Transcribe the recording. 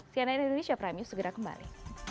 cnn indonesia prime news segera kembali